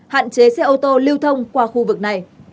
hạn chế xe ô tô lưu thông qua khu vực này